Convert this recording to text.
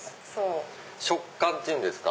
食感っていうんですか？